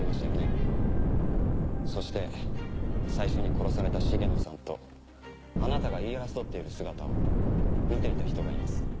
そして最初に殺された重野さんとあなたが言い争っている姿を見ていた人がいます。